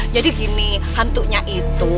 jadi gini hantunya itu